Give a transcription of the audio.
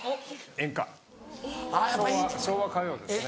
演歌昭和歌謡ですね。